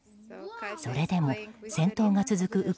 それでも戦闘が続く